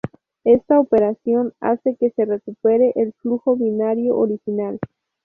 Esta operación hace que se recupere el flujo binario original.